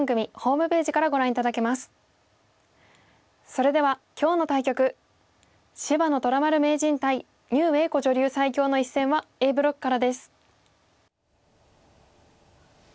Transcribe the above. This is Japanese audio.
それでは今日の対局芝野虎丸名人対牛栄子女流最強の一戦はＡブロックからです。